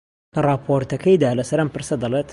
لە ڕاپۆرتەکەیدا لەسەر ئەم پرسە دەڵێت: